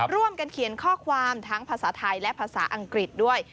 ร่วมกันเขียนข้อความทั้งภาษาไทยและภาษาอังกฤษด้วย